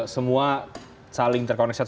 semua saling terkoneksi